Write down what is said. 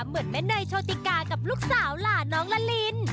เหมือนแม่เนยโชติกากับลูกสาวหล่าน้องละลิน